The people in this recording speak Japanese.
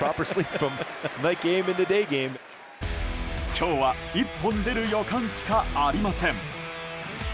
今日は１本出る予感しかありません。